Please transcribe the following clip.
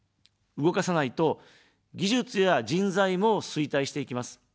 動かさないと、技術や人材も衰退していきます。